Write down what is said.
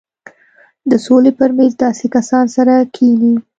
د سولې پر مېز داسې کسان سره کښېني.